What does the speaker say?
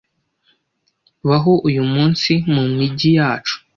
baho uyu munsi mu migi yacu